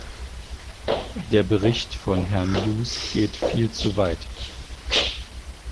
Der Bericht von Herrn Hughes geht viel zu weit.